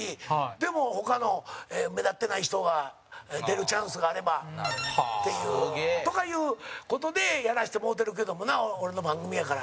でも、他の目立ってない人が出るチャンスがあればっていう。とかいう事でやらせてもうてるけどもな俺の番組やから。